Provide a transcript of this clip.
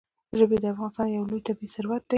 ژبې د افغانستان یو لوی طبعي ثروت دی.